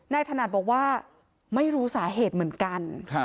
ถนัดบอกว่าไม่รู้สาเหตุเหมือนกัน